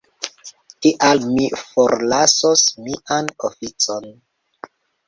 Tial mi forlasos mian oficon.